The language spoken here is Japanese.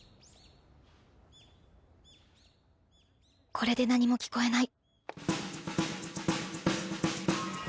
これで何も聞こえない。